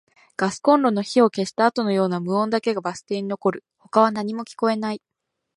ガスコンロの火を消したあとのような無音だけがバス停に残る。他は何も聞こえない。